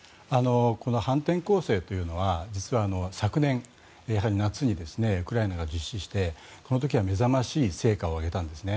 この反転攻勢というのは実は昨年夏にウクライナが実施してその時は目覚ましい成果を上げたんですね。